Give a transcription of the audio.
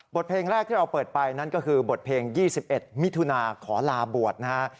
เพลงแรกที่เราเปิดไปนั่นก็คือบทเพลง๒๑มิถุนาขอลาบวชนะฮะ